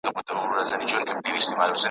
نه دعا او نه درودونو اثر وکړ `